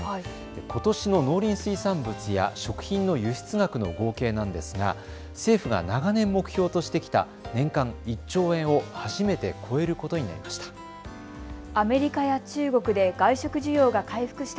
ことしの農林水産物や食品の輸出額の合計なんですが政府が長年目標としてきた年間１兆円を初めて超えることになりました。